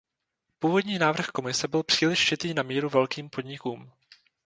Původní návrh Komise byl příliš šitý na míru velkým podnikům.